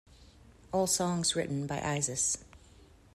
All songs written by Isis.